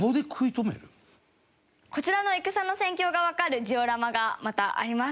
こちらの戦の戦況がわかるジオラマがまたあります。